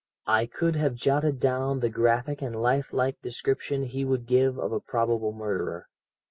"I could have jotted down the graphic and lifelike description he would give of a probable murderer.